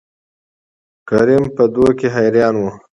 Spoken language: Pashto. کريم په دو کې حيران وو.